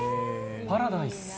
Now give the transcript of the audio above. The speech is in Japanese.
パラダイス。